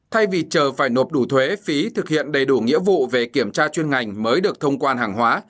thay vì chờ phải nộp đủ thuế phí thực hiện đầy đủ nghĩa vụ về kiểm tra chuyên ngành mới được thông quan hàng hóa